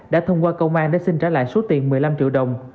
đã thông qua công an để xin trả lại số tiền một mươi năm triệu đồng